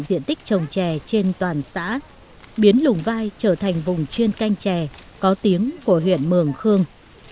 diện tích trồng trè trên toàn xã biến lùng vai trở thành vùng chuyên canh chè có tiếng của huyện mường khương